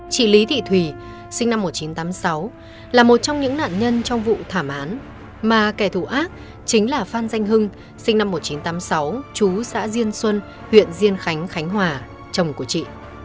chị lý thị thùy sinh năm một nghìn chín trăm tám mươi sáu là một trong những nạn nhân trong vụ thảm án mà kẻ thù ác chính là phan danh hưng sinh năm một nghìn chín trăm tám mươi sáu chú xã diên xuân huyện diên khánh khánh hòa chồng của chị